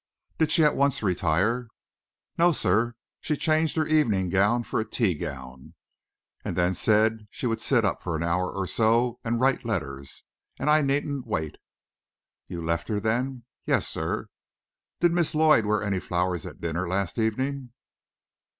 "Did she at once retire?" "No, sir. She changed her evening gown for a teagown, and then said she would sit up for an hour or so and write letters, and I needn't wait." "You left her then?" "Yes, sir." "Did Miss Lloyd wear any flowers at dinner last evening?"